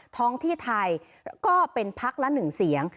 ท้องที่ไทยก็เป็นพักละ๑เสียง